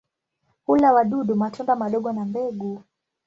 Hula wadudu, matunda madogo na mbegu.